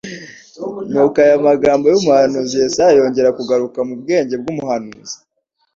Nuko aya magambo y'umuhanuzi Yesaya yongera kugaruka mu bwenge bw'umuhanuzi